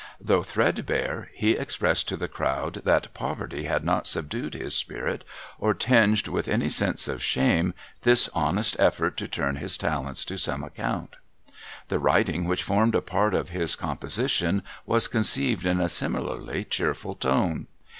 Though threadbare, he expressed to the crowd that poverty had not subdued his spirit, or 312 SOMEBODY'S LUGGAGE tinged with any sense of shame this honest effort to turn his talents to some account. The writing which formed a part of his com l)Osition was conceived in a similarly cheerful tone.